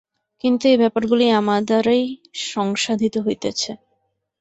কিন্তু এই ব্যাপারগুলি আমাদ্বারাই সংসাধিত হইতেছে।